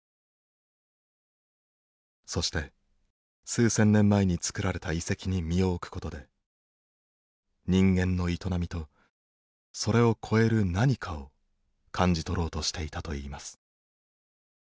そして数千年前に作られた遺跡に身を置くことで人間の営みとそれを超える何かを感じ取ろうとしていたといいます。